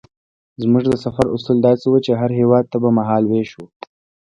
زموږ د سفر اصول داسې وو چې هر هېواد ته به مهال وېش وو.